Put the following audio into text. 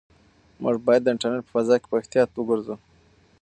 موږ باید د انټرنيټ په فضا کې په احتیاط وګرځو.